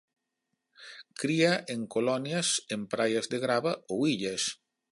Cría en colonias en praias de grava ou illas.